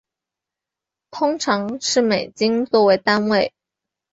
通常是美金做为单位。